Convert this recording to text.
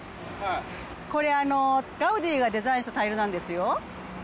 これ、ガウディがデザインしたタイルなんですよ。